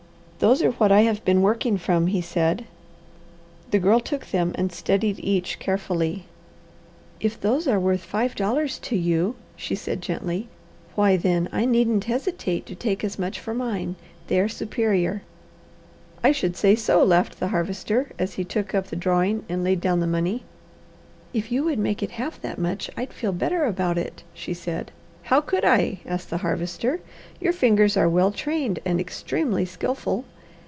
"Those are what I have been working from," he said. The Girl took them and studied each carefully. "If those are worth five dollars to you," she said gently, "why then I needn't hesitate to take as much for mine. They are superior." "I should say so," laughed the Harvester as he took up the drawing and laid down the money. "If you would make it half that much I'd feel better about it," she said. "How could I?" asked the Harvester. "Your fingers are well trained and extremely skilful.